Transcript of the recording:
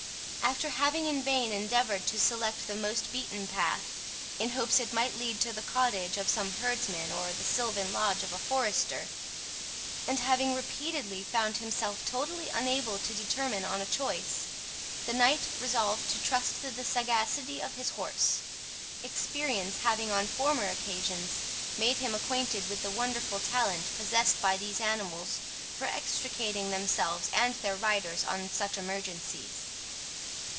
After having in vain endeavoured to select the most beaten path, in hopes it might lead to the cottage of some herdsman, or the silvan lodge of a forester, and having repeatedly found himself totally unable to determine on a choice, the knight resolved to trust to the sagacity of his horse; experience having, on former occasions, made him acquainted with the wonderful talent possessed by these animals for extricating themselves and their riders on such emergencies.